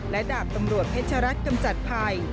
และดาบตำรวจเพชรัตนกำจัดภัย